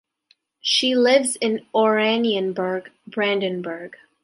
She lives in Oranienburg, Brandenburg.